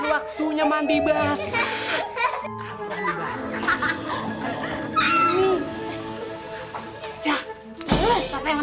emangnya juleha bayi apa ya